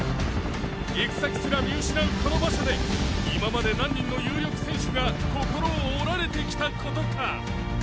行く先すら見失うこの場所で今まで何人の有力選手が心を折られてきた事か！